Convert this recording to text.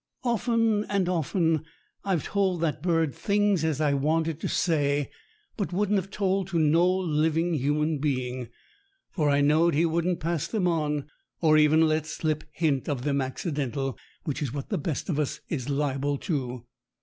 Often and often I've told that bird things as I 94 STORIES WITHOUT TEARS wanted to say, but wouldn't have told to no living human being; for I knowed he wouldn't pass them on, or even let slip hint of them accidental, which is what the best of us is liable to.